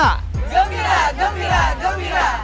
apakah teman teman sedang gembira